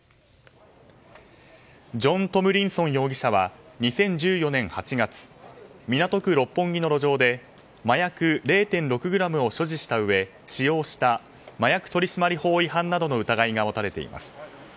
ジョン・トムリンソン容疑者は２０１４年８月港区六本木の路上で麻薬０．６ｇを所持したうえ使用した麻薬取締法違反などの疑いが持たれています。